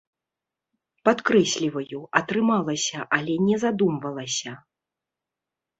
Падкрэсліваю, атрымалася, але не задумвалася!